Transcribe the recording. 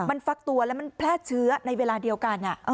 มันฟักตัวแล้วมันแพร่เชื้อในเวลาเดียวกัน